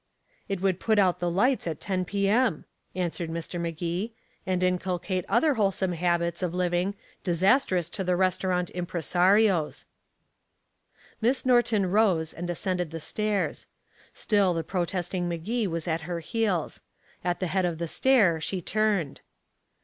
"It would put out the lights at ten p.m.," answered Mr. Magee, "and inculcate other wholesome habits of living disastrous to the restaurant impresarios." Miss Norton rose and ascended the stairs. Still the protesting Magee was at her heels. At the head of the stair she turned.